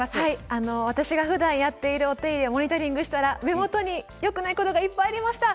私がふだんやっているお手入れをモニタリングしたら目元によくないことがいっぱいありました。